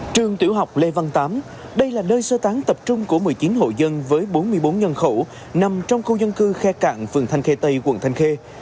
trường tiểu học lê văn tám đây là nơi sơ tán tập trung của một mươi chín hội dân với bốn mươi bốn nhân khẩu nằm trong khu dân cư khe cạn phường thanh khê tây quận thanh khê